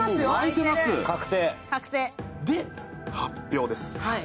で、発表です。